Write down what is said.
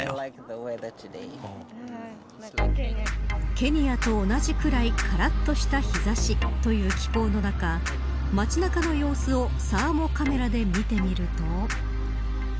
ケニアと同じくらいからっとした日差しという気候の中街中の様子をサーモカメラで見てみると。